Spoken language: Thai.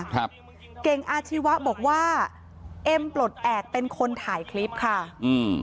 ครับเก่งอาชีวะบอกว่าเอ็มปลดแอบเป็นคนถ่ายคลิปค่ะอืม